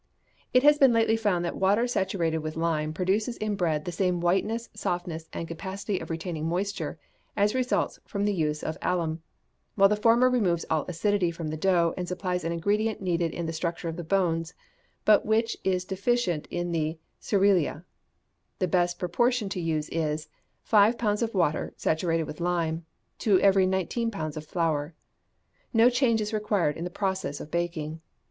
It has lately been found that water saturated with lime produces in bread the same whiteness, softness, and capacity of retaining moisture, as results from the use of alum; while the former removes all acidity from the dough, and supplies an ingredient needed in the structure of the bones, but which is deficient in the cerealia. The best proportion to use is, five pounds of water saturated with lime, to every nineteen pounds of flour. No change is required in the process of baking.